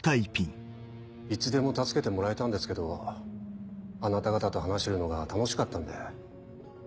いつでも助けてもらえたんですけどあなた方と話してるのが楽しかったんで。